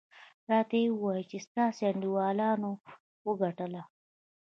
راته ویې ویل چې ستاسې انډیوالانو وګټله.